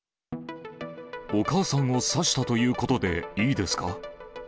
お母さんを刺したということでいいですか？